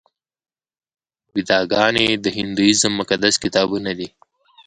ویداګانې د هندویزم مقدس کتابونه دي.